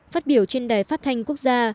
phát biểu trên đài phát thanh quốc gia